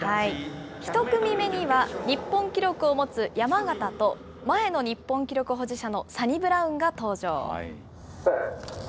１組目には、日本記録を持つ山縣と、前の日本記録保持者のサニブラウンが登場。